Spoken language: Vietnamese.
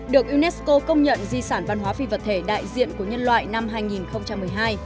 được unesco công nhận di sản văn hóa phi vật thể đại diện của nhân loại năm hai nghìn một mươi hai